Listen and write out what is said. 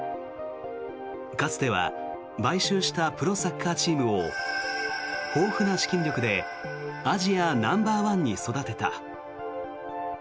かつては買収したプロサッカーチームを豊富な資金力でアジアナンバーワンに育てた。